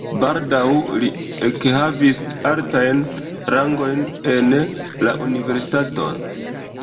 Baldaŭ li ekhavis altajn rangojn en la universitato.